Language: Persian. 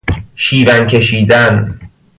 شیون کشیدن